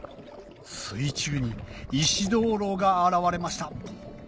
水中に石灯籠が現れました